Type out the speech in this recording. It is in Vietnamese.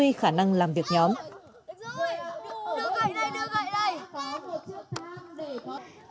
hết huy khả năng làm việc nhóm